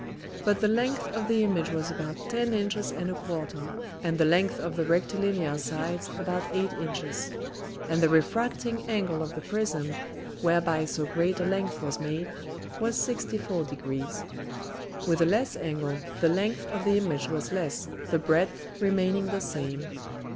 But the Length of the Image was about ten Inches and a quarter, and the Length of the Rectilinear Sides about eight Inches; and the refracting Angle of the Prism, whereby so great a Length was made, was 64 degrees. With a less Angle the Length of the Image was less, the Breadth remaining the same.